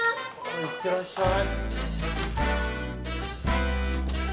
いってらっしゃい。